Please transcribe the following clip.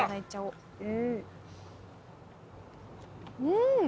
うん。